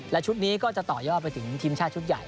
และชุดนี้ก็จะต่อยอดไปถึงทีมชาติชุดใหญ่